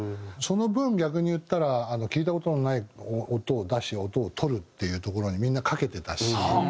その分逆に言ったら聴いた事のない音を出し音をとるっていうところにみんな懸けてたし。